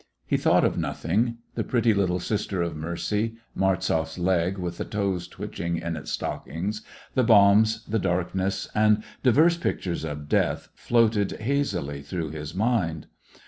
He thought of nothing ; the pretty little Sister of Mercy, Martzoff's leg with the toes twitching in its stocking, the bombs, the darkness, and divers pictures of death floated hazily through his mind.